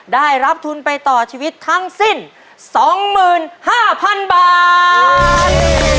ได้รับทุนไปต่อชีวิตทั้งสิ้นสองหมื่นห้าพันบาท